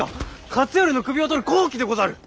勝頼の首を取る好機でござる！